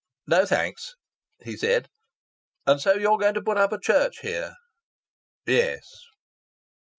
"No thanks," he said. "And so you're going to put up a church here?" "Yes."